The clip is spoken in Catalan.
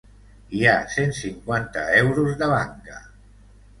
Hi ha cent cinquanta euros de banca.